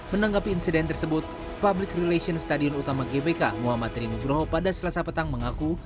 menanggapi insiden tersebut public relation stadion utama gbk muhammad rinugroho pada selasa petang mengaku